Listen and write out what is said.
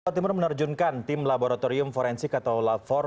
jawa timur menerjunkan tim laboratorium forensik atau lafor